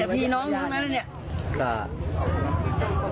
พี่น้องรู้ไหมเลยเนี่ย